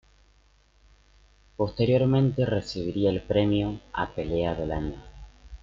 Posteriormente recibiría el premio a "Pelea del Año".